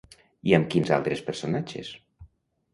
I amb quins altres personatges?